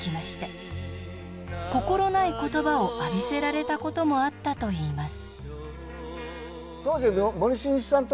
心ない言葉を浴びせられたこともあったといいます。